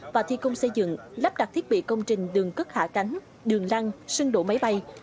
và thi công xây dựng lắp đặt thiết bị công trình nhà ca hành khách